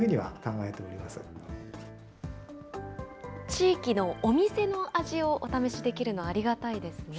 地域のお店の味をお試しできるのありがたいですね。